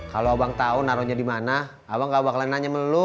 kalau abang tau naruhnya di mana abang gak bakalan nanya sama lu